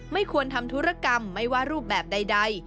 ไม่ควรทำธุรกรรมไม่ว่ารูปแบบใด